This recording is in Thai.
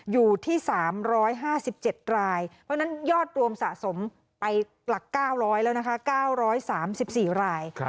อยู่ที่๓๕๗รายเพราะฉะนั้นยอดรวมสะสมไปหลัก๙๐๐แล้วนะคะ๙๓๔ราย